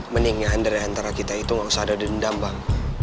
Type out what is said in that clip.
mendingnya anda dan antara kita itu gak usah ada dendam bang